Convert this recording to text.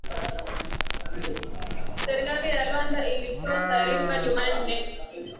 Serikali ya Rwanda ilitoa taarifa Jumanne